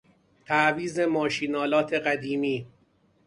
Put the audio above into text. تعویض ماشین آلات قدیمی